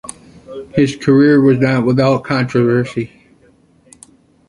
His career was not without controversy.